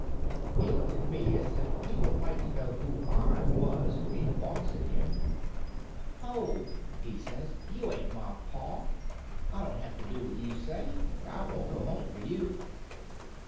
He looked at me as if he would like to know who I was, to be bossin' him. "Ho!" he says, "You ain't my pa. I don't have to do what you say! I won't go home for you